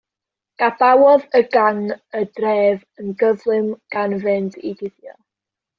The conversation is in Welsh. Gadawodd y gang y dref yn gyflym gan fynd i guddio.